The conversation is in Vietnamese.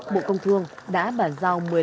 bộ công thương đã bản giao